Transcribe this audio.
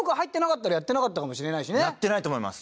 やってないと思います。